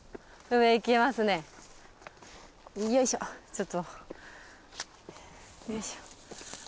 ちょっとよいしょ。